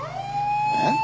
えっ？